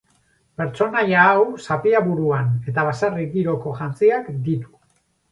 Pertsonaia hau zapia buruan eta baserri giroko jantziak ditu.